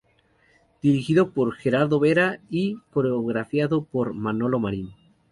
Dirigido por "Gerardo Vera" y coreografiado por "Manolo Marín.